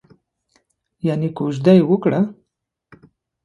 یانې کوژده یې وکړه؟